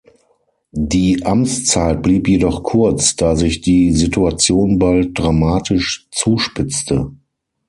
Die Amtszeit blieb jedoch kurz, da sich die Situation bald dramatisch zuspitzte.